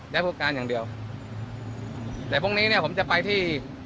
ผู้การอย่างเดียวแต่พรุ่งนี้เนี้ยผมจะไปที่